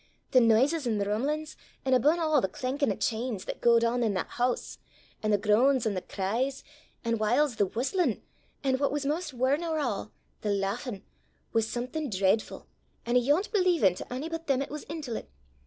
The noises, an' the rum'lin's, an' abune a' the clankin' o' chains, that gaed on i' that hoose, an' the groans, an' the cries, an' whiles the whustlin', an' what was 'maist waur nor a', the lauchin', was something dreidfu', an' 'ayont believin' to ony but them 'at was intil 't.